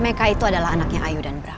mereka adalah anaknya ayu dan bram